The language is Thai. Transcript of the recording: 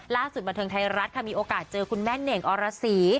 บันเทิงไทยรัฐค่ะมีโอกาสเจอคุณแม่เน่งอรสี